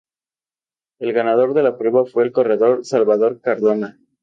El ganador de la prueba fue el corredor Salvador Cardona.